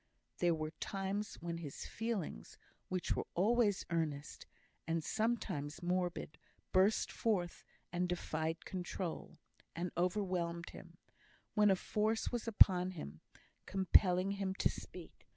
There were times when his feelings, which were always earnest, and sometimes morbid, burst forth, and defied control, and overwhelmed him; when a force was upon him compelling him to speak.